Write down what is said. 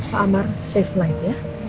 pak amar safe light ya